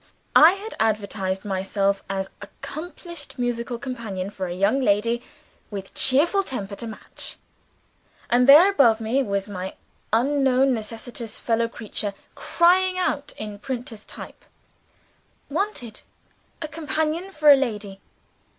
I had advertised myself as "accomplished musical companion for a lady. With cheerful temper to match." And there above me was my unknown necessitous fellow creature, crying out in printers' types: "Wanted, a companion for a lady.